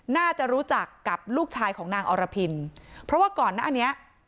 น่าจะรู้จักกับลูกชายของนางอรพินเพราะว่าก่อนหน้านี้